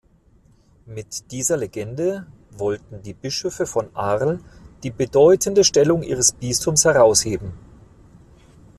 Mit dieser Legende wollten die Bischöfe von Arles die bedeutende Stellung ihres Bistums herausheben.